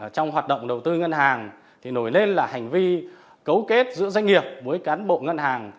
trong hoạt động đầu tư ngân hàng thì nổi lên là hành vi cấu kết giữa doanh nghiệp với cán bộ ngân hàng